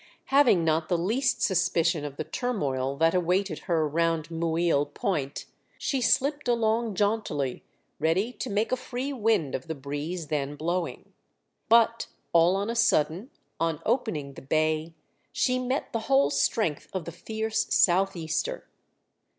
Having not the least suspicion of the turmoil that awaited her round Mouille Point, WE ARRIVE AT TABLE BAY. 35 she slipped along jauntily, ready to make a free wind of the breeze then blowing. But all on a sudden, on opening the bay, she met the whole strength of the fierce south easter.